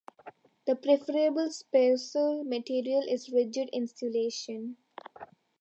The preferable spacer material is rigid insulation.